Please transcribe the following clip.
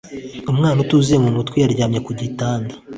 umwana utuzuye mu mutwe yaryamye ku gitanda ,